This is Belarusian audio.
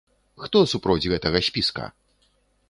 Хто супроць гэтага спіска?